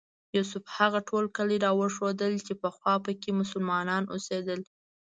یوسف هغه ټول کلي راوښودل چې پخوا په کې مسلمانان اوسېدل.